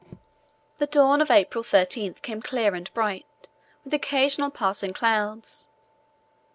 The dawn of April 13 came clear and bright, with occasional passing clouds.